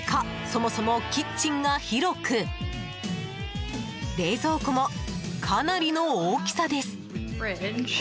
そもそもキッチンが広く冷蔵庫も、かなりの大きさです。